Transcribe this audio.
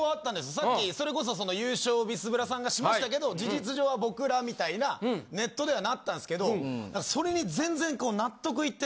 さっきそれこそ優勝ビスブラさんがしましたけど事実上は僕らみたいなネットではなったんすけどそれに。